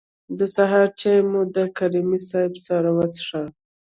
د سهار چای مو د کریمي صیب سره وڅښه.